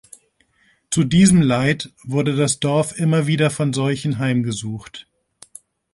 Zu diesem Leid wurde das Dorf immer wieder von Seuchen heimgesucht.